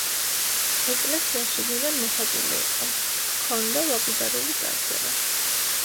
ეკლესია შიგნიდან მოხატული იყო, ჰქონდა ლაპიდარული წარწერა.